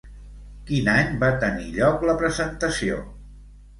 Quin any va tenir lloc la presentació?